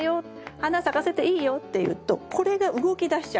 花咲かせていいよっていうとこれが動きだしちゃうんです。